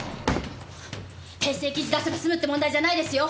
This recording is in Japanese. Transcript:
訂正記事出せば済むって問題じゃないですよ。